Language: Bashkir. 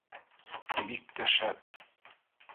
— Бик тә шәп